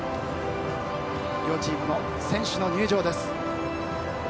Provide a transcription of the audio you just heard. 両チームの選手の入場です。